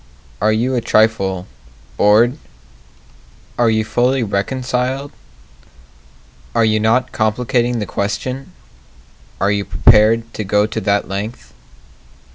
Are you a trifle bored? Are you fully reconciled? Are you not complicating the question? Are you prepared to go to that length?